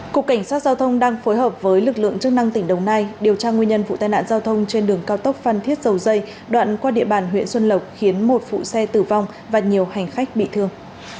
cục cảnh sát giao thông đang phối hợp với lực lượng chức năng tỉnh đồng nai điều tra nguyên nhân vụ tai nạn giao thông trên đường cao tốc phan thiết dầu dây đoạn qua địa bàn huyện xuân lộc khiến một phụ xe tử vong và nhiều hành khách bị thương